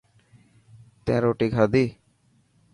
تين روتي کاڌي.